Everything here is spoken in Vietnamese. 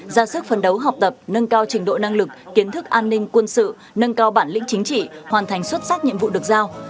ra sức phấn đấu học tập nâng cao trình độ năng lực kiến thức an ninh quân sự nâng cao bản lĩnh chính trị hoàn thành xuất sắc nhiệm vụ được giao